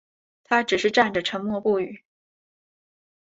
他只是站着沉默不语